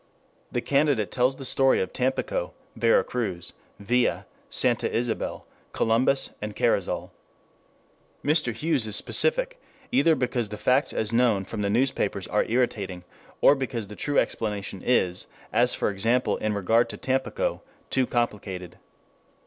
The candidate tells the story of Tampico, Vera Cruz, Villa, Santa Ysabel, Columbus and Carrizal. Mr. Hughes is specific, either because the facts as known from the newspapers are irritating, or because the true explanation is, as for example in regard to Tampico, too complicated.